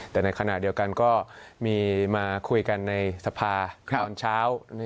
แต่ในขณะเดียวกันก็มีมาคุยกันในสภาตอนเช้า